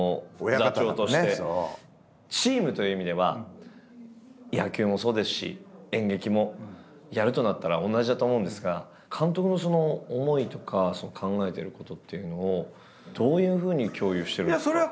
座長としてチームという意味では野球もそうですし演劇もやるとなったら同じだと思うんですが監督の思いとか考えてることっていうのをどういうふうに共有してるんですか？